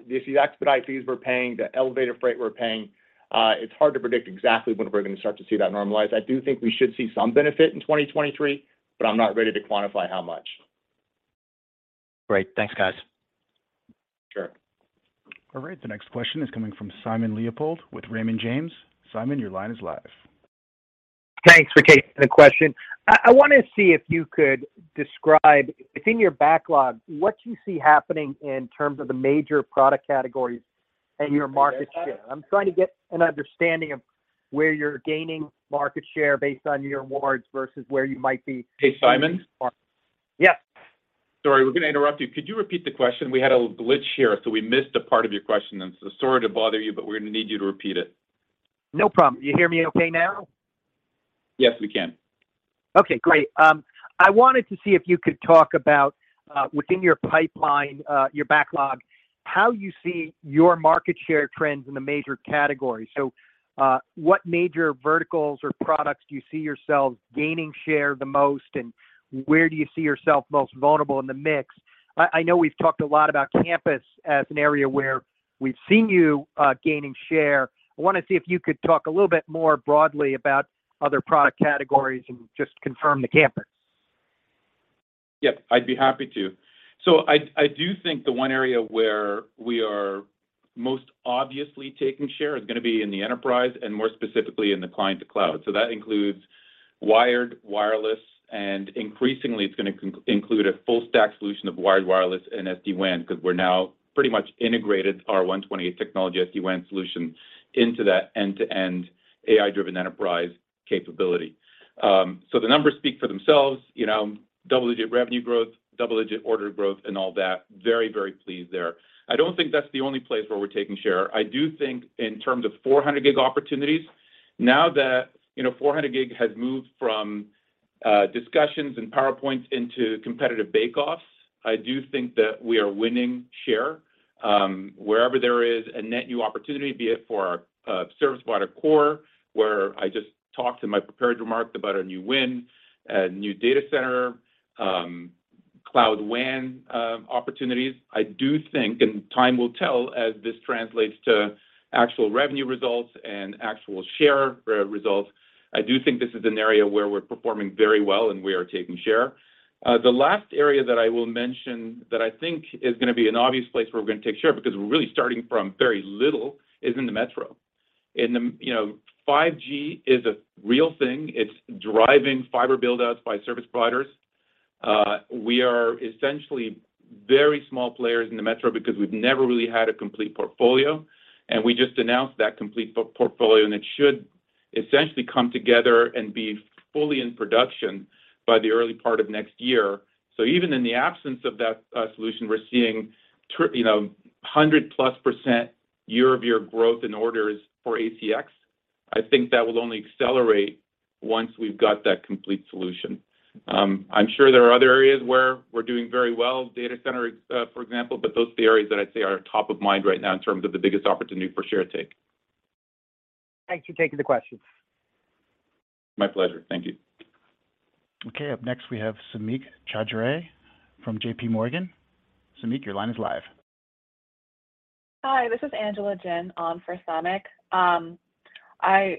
these expedite fees we're paying, the elevated freight we're paying, it's hard to predict exactly when we're gonna start to see that normalize. I do think we should see some benefit in 2023, but I'm not ready to quantify how much. Great. Thanks, guys. Sure. All right. The next question is coming from Simon Leopold with Raymond James. Simon, your line is live. Thanks for taking the question. I wanna see if you could describe within your backlog, what you see happening in terms of the major product categories and your market share. I'm trying to get an understanding of where you're gaining market share based on your awards versus where you might be. Hey, Simon? Yes. Sorry, we're gonna interrupt you. Could you repeat the question? We had a little glitch here, so we missed a part of your question. Sorry to bother you, but we're gonna need you to repeat it. No problem. You hear me okay now? Yes, we can. Okay, great. I wanted to see if you could talk about, within your pipeline, your backlog, how you see your market share trends in the major categories. What major verticals or products do you see yourselves gaining share the most, and where do you see yourself most vulnerable in the mix? I know we've talked a lot about campus as an area where we've seen you gaining share. I wanna see if you could talk a little bit more broadly about other product categories and just confirm the campus. Yep, I'd be happy to. I do think the one area where we are most obviously taking share is gonna be in the enterprise and more specifically in the client-to-cloud. That includes wired, wireless, and increasingly it's gonna include a full stack solution of wired, wireless and SD-WAN, 'cause we're now pretty much integrated our 128 Technology SD-WAN solution into that end-to-end AI-Driven Enterprise capability. The numbers speak for themselves, you know, double-digit revenue growth, double-digit order growth and all that. Very pleased there. I don't think that's the only place where we're taking share. I do think in terms of 400 gig opportunities, now that, you know, 400 gig has moved from discussions and PowerPoints into competitive bake offs. I do think that we are winning share wherever there is a net new opportunity, be it for our service provider core, where I just talked in my prepared remarks about a new win, a new data center, cloud WAN opportunities. I do think, and time will tell as this translates to actual revenue results and actual share results, I do think this is an area where we're performing very well and we are taking share. The last area that I will mention that I think is gonna be an obvious place where we're gonna take share, because we're really starting from very little, is in the metro. You know, 5G is a real thing. It's driving fiber buildouts by service providers. We are essentially very small players in the metro because we've never really had a complete portfolio, and we just announced that complete portfolio, and it should essentially come together and be fully in production by the early part of next year. Even in the absence of that solution, we're seeing you know, 100%+ year-over-year growth in orders for ACX. I think that will only accelerate once we've got that complete solution. I'm sure there are other areas where we're doing very well, data center, for example, but those are the areas that I'd say are top of mind right now in terms of the biggest opportunity for share gain. Thanks for taking the questions. My pleasure. Thank you. Okay. Up next, we have Samik Chatterjee from JPMorgan. Samik, your line is live. Hi, this is Angela Jin on for Samik. I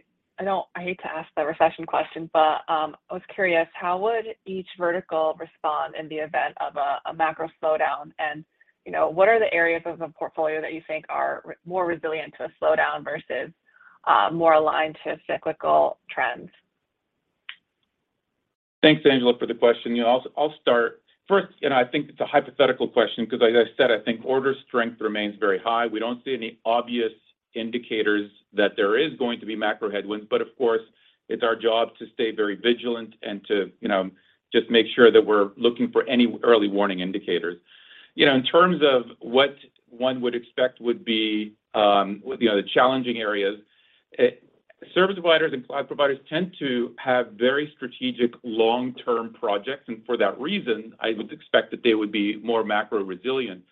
hate to ask the recession question, but I was curious, how would each vertical respond in the event of a macro slowdown? You know, what are the areas of the portfolio that you think are more resilient to a slowdown versus more aligned to cyclical trends? Thanks, Angela, for the question. You know, I'll start. First, you know, I think it's a hypothetical question because, as I said, I think order strength remains very high. We don't see any obvious indicators that there is going to be macro headwinds, but of course, it's our job to stay very vigilant and to, you know, just make sure that we're looking for any early warning indicators. You know, in terms of what one would expect would be, you know, the challenging areas, service providers and cloud providers tend to have very strategic long-term projects, and for that reason, I would expect that they would be more macro resilient.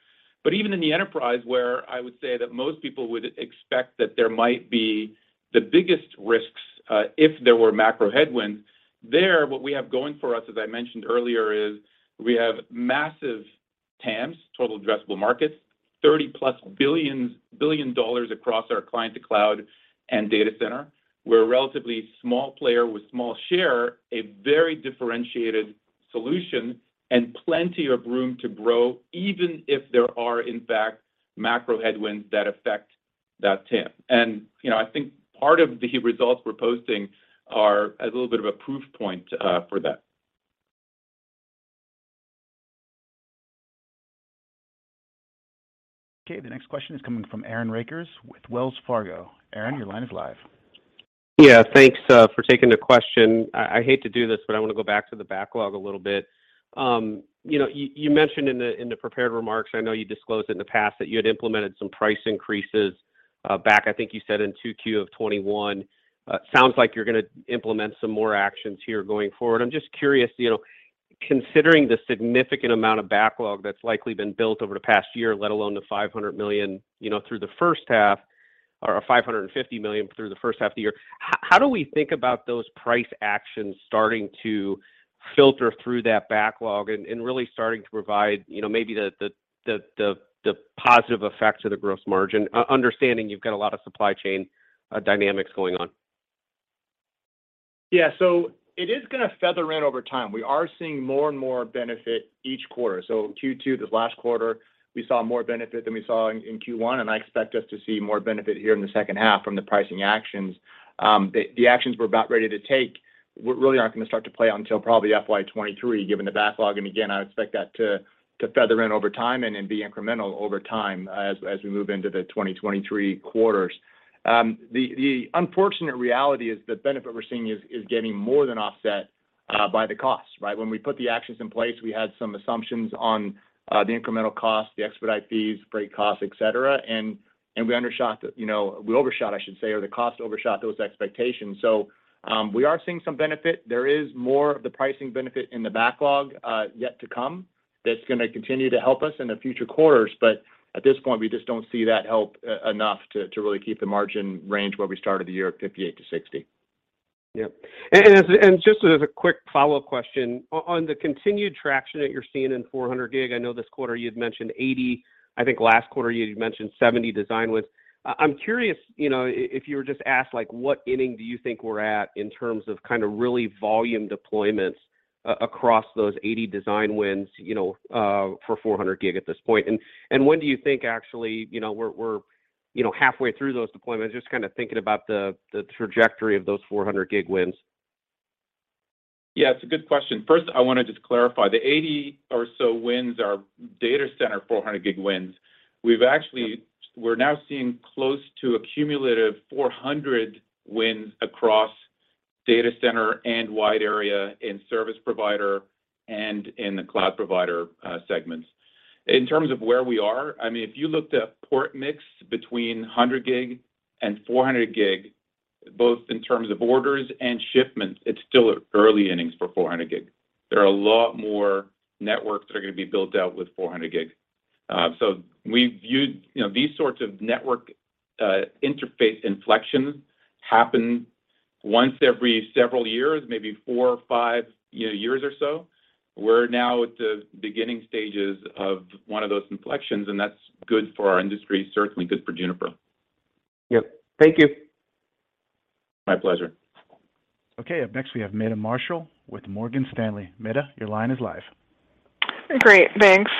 Even in the enterprise, where I would say that most people would expect that there might be the biggest risks, if there were macro headwinds, what we have going for us, as I mentioned earlier, is we have massive TAMs, total addressable markets, $30+ billion across our client-to-cloud and data center. We're a relatively small player with small share, a very differentiated solution, and plenty of room to grow, even if there are, in fact, macro headwinds that affect that TAM. You know, I think part of the results we're posting are a little bit of a proof point for that. Okay. The next question is coming from Aaron Rakers with Wells Fargo. Aaron, your line is live. Yeah. Thanks for taking the question. I hate to do this, but I want to go back to the backlog a little bit. You know, you mentioned in the prepared remarks, I know you disclosed it in the past, that you had implemented some price increases back, I think you said in 2Q of 2021. Sounds like you're going to implement some more actions here going forward. I'm just curious, you know, considering the significant amount of backlog that's likely been built over the past year, let alone the $500 million, you know, through the first half or $550 million through the first half of the year, how do we think about those price actions starting to filter through that backlog and really starting to provide, you know, maybe the positive effects of the gross margin, understanding you've got a lot of supply chain dynamics going on? It is going to feather in over time. We are seeing more and more benefit each quarter. Q2, this last quarter, we saw more benefit than we saw in Q1, and I expect us to see more benefit here in the second half from the pricing actions. The actions we're about ready to take really aren't going to start to play out until probably FY 2023, given the backlog. I expect that to feather in over time and be incremental over time as we move into the 2023 quarters. The unfortunate reality is the benefit we're seeing is getting more than offset by the costs, right? When we put the actions in place, we had some assumptions on the incremental cost, the expedite fees, freight costs, et cetera, and we undershot the. You know, we overshot, I should say, or the cost overshot those expectations. We are seeing some benefit. There is more of the pricing benefit in the backlog yet to come that's going to continue to help us in the future quarters. At this point, we just don't see that help enough to really keep the margin range where we started the year at 58%-60%. Yeah. Just as a quick follow-up question, on the continued traction that you're seeing in 400 gig, I know this quarter you had mentioned 80. I think last quarter you'd mentioned 70 design wins. I'm curious, you know, if you were just asked, like, what inning do you think we're at in terms of kind of really volume deployments across those 80 design wins, you know, for 400 gig at this point? And when do you think actually, you know, we're halfway through those deployments, just kind of thinking about the trajectory of those 400 gig wins? Yeah, it's a good question. First, I want to just clarify, the 80 or so wins are data center 400 gig wins. We've actually. We're now seeing close to a cumulative 400 wins across data center and wide area, in service provider and in the cloud provider segments. In terms of where we are, I mean, if you looked at port mix between 100 gig and 400 gig, both in terms of orders and shipments, it's still early innings for 400 gig. There are a lot more networks that are going to be built out with 400 gig. We view. You know, these sorts of network interface inflections happen once every several years, maybe four or five, you know, years or so. We're now at the beginning stages of one of those inflections, and that's good for our industry, certainly good for Juniper. Yep. Thank you. My pleasure. Okay. Up next, we have Meta Marshall with Morgan Stanley. Meta, your line is live. Great. Thanks.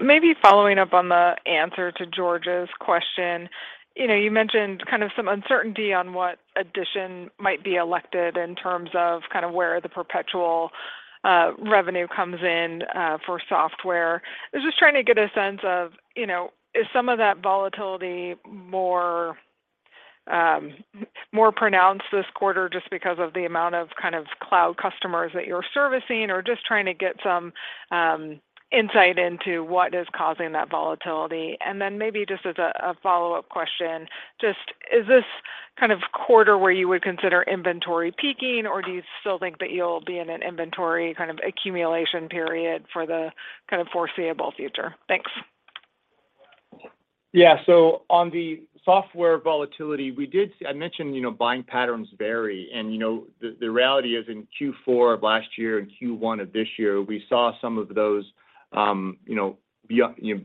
Maybe following up on the answer to George's question, you know, you mentioned kind of some uncertainty on what adoption might be expected in terms of kind of where the perpetual revenue comes in for software. I was just trying to get a sense of, you know, is some of that volatility more pronounced this quarter just because of the amount of kind of cloud customers that you're servicing, or just trying to get some insight into what is causing that volatility. Then maybe just as a follow-up question, just is this kind of quarter where you would consider inventory peaking, or do you still think that you'll be in an inventory kind of accumulation period for the kind of foreseeable future? Thanks. Yeah. On the software volatility, as I mentioned, you know, buying patterns vary. You know, the reality is in Q4 of last year and Q1 of this year, we saw some of those, you know,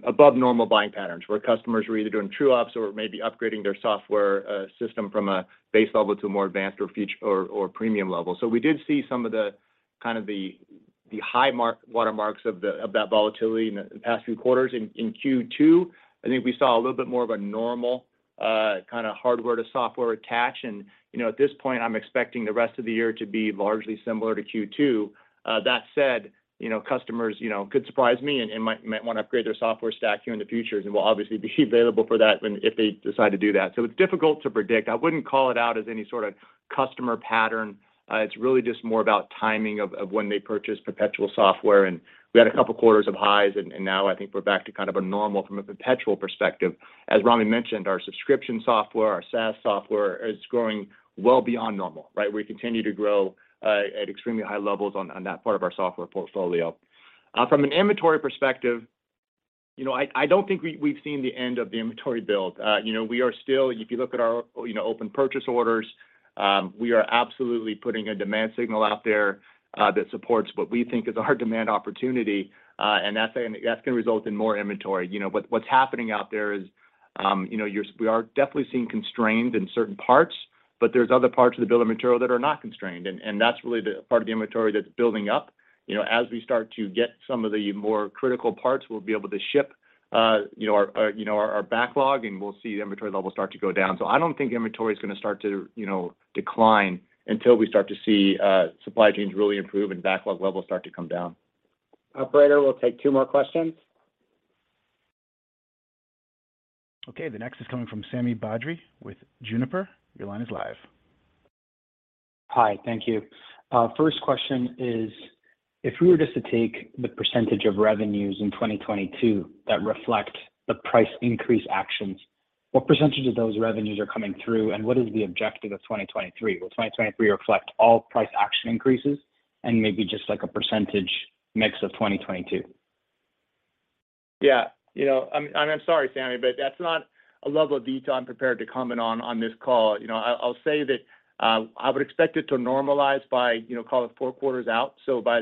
above normal buying patterns where customers were either doing true ups or maybe upgrading their software system from a base level to a more advanced or premium level. We did see some of the kind of the high watermarks of that volatility in the past few quarters. In Q2, I think we saw a little bit more of a normal, kinda hardware to software attach. You know, at this point, I'm expecting the rest of the year to be largely similar to Q2. That said, you know, customers, you know, could surprise me and might wanna upgrade their software stack here in the future, and we'll obviously be available for that if they decide to do that. It's difficult to predict. I wouldn't call it out as any sort of customer pattern. It's really just more about timing of when they purchase perpetual software, and we had a couple quarters of highs, and now I think we're back to kind of a normal from a perpetual perspective. As Rami mentioned, our subscription software, our SaaS software is growing well beyond normal, right? We continue to grow at extremely high levels on that part of our software portfolio. From an inventory perspective, you know, I don't think we've seen the end of the inventory build. You know, if you look at our open purchase orders, we are absolutely putting a demand signal out there that supports what we think is our demand opportunity. That's gonna result in more inventory. You know, what's happening out there is we are definitely seeing constraints in certain parts, but there are other parts of the bill of material that are not constrained, and that's really the part of the inventory that's building up. You know, as we start to get some of the more critical parts, we'll be able to ship our backlog and we'll see the inventory levels start to go down. I don't think inventory is gonna start to, you know, decline until we start to see, supply chains really improve and backlog levels start to come down. Operator, we'll take two more questions. Okay, the next is coming from Sami Badri with Juniper. Your line is live. Hi. Thank you. First question is, if we were just to take the percentage of revenues in 2022 that reflect the price increase actions, what percentage of those revenues are coming through, and what is the objective of 2023? Will 2023 reflect all price action increases and maybe just like a percentage mix of 2022? Yeah. You know, I'm sorry, Sami, but that's not a level of detail I'm prepared to comment on this call. You know, I'll say that I would expect it to normalize by, you know, call it four quarters out. By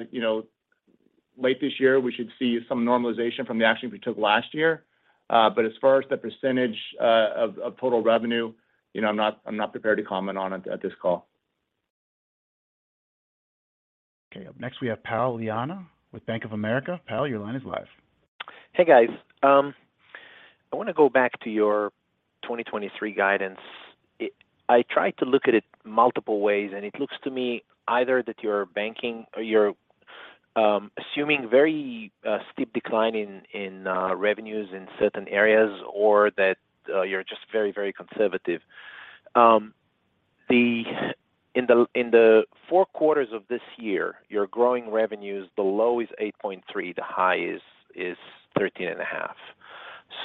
late this year, we should see some normalization from the action we took last year. But as far as the percentage of total revenue, you know, I'm not prepared to comment on it at this call. Okay. Up next, we have Tal Liani with Bank of America. Tal, your line is live. Hey, guys. I wanna go back to your 2023 guidance. I tried to look at it multiple ways, and it looks to me either that you're baking or you're assuming very steep decline in revenues in certain areas or that you're just very, very conservative. In the four quarters of this year, your growing revenues, the low is 8.3%, the high is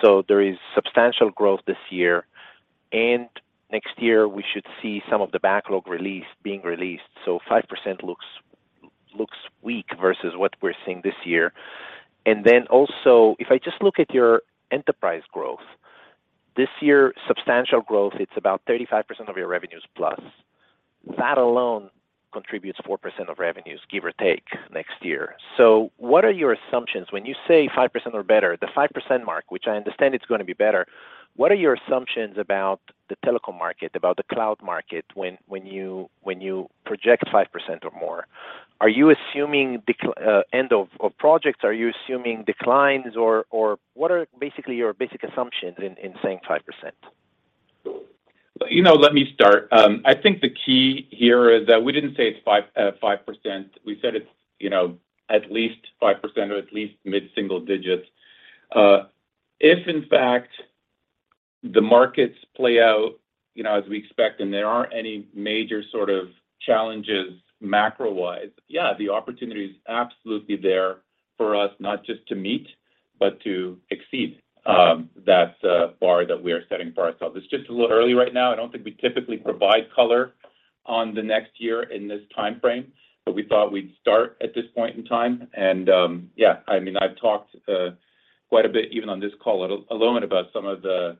13.5%. There is substantial growth this year, and next year we should see some of the backlog being released. 5% looks weak versus what we're seeing this year. Then also, if I just look at your enterprise growth, this year, substantial growth, it's about 35% of your revenues plus. That alone contributes 4% of revenues, give or take, next year. What are your assumptions? When you say 5% or better, the 5% mark, which I understand it's gonna be better, what are your assumptions about the telecom market, about the cloud market when you project 5% or more? Are you assuming end of projects? Are you assuming declines or what are basically your basic assumptions in saying 5%? You know, let me start. I think the key here is that we didn't say it's 5%. We said it's, you know, at least 5% or at least mid-single digits. If in fact the markets play out, you know, as we expect and there aren't any major sort of challenges macro-wise, yeah, the opportunity is absolutely there for us, not just to meet, but to exceed, that bar that we are setting for ourselves. It's just a little early right now. I don't think we typically provide color on the next year in this timeframe, but we thought we'd start at this point in time. Yeah, I mean, I've talked quite a bit, even on this call alone, about some of the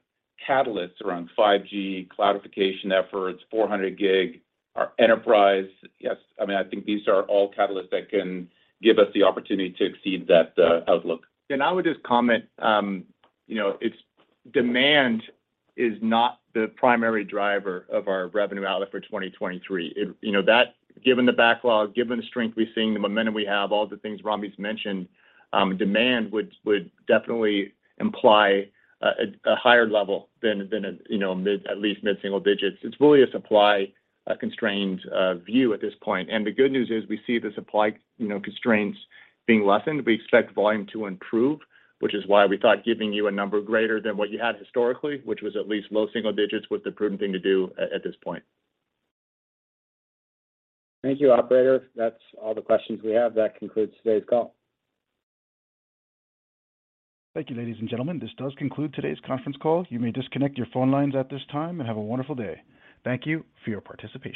catalysts around 5G cloudification efforts, 400 gig, our enterprise. Yes, I mean, I think these are all catalysts that can give us the opportunity to exceed that outlook. I would just comment, you know, its demand is not the primary driver of our revenue outlook for 2023. Given the backlog, given the strength we're seeing, the momentum we have, all the things Rami's mentioned, demand would definitely imply a higher level than a, you know, at least mid-single digits. It's really a supply constrained view at this point. The good news is we see the supply, you know, constraints being lessened. We expect volume to improve, which is why we thought giving you a number greater than what you had historically, which was at least low single digits, was the prudent thing to do at this point. Thank you, operator. That's all the questions we have. That concludes today's call. Thank you, ladies and gentlemen. This does conclude today's conference call. You may disconnect your phone lines at this time, and have a wonderful day. Thank you for your participation.